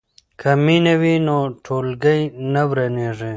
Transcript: که مینه وي نو ټولګی نه ورانیږي.